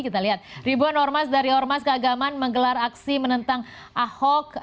kita lihat ribuan ormas dari ormas keagaman menggelar aksi menentang ahok